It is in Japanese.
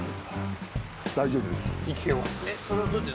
大丈夫ですよ。